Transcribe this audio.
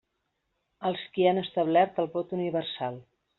Els qui han establert el vot universal.